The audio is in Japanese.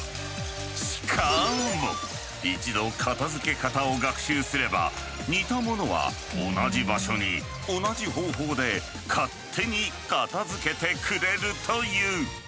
しかも一度片づけ方を学習すれば似たものは同じ場所に同じ方法で勝手に片づけてくれるという。